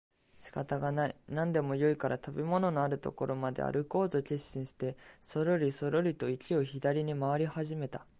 仕方がない、何でもよいから食物のある所まであるこうと決心をしてそろりそろりと池を左に廻り始めた